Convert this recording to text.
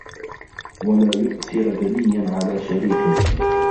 وَلَا يُؤْثِرَ دَنِيًّا عَلَى شَرِيفٍ